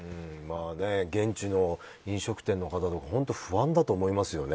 現地の飲食店の方とかも本当に不安だと思いますよね。